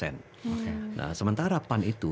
nah sementara pan itu